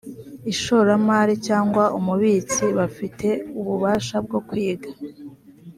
ishoramari cyangwa umubitsi bafite ububasha bwo kwiga